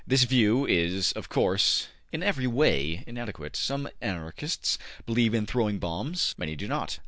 This view is, of course, in every way inadequate. Some Anarchists believe in throwing bombs; many do not.